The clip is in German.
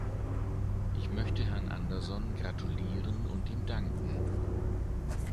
Ich möchte Herrn Andersson gratulieren und ihm danken.